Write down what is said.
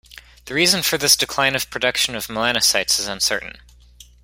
The reason for this decline of production of melanocytes is uncertain.